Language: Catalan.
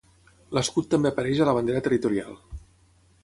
L'escut també apareix a la bandera territorial.